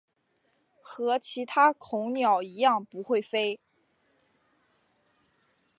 和其他恐鸟一样不会飞。